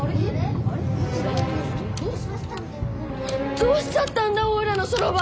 どうしちゃったんだおいらの算盤！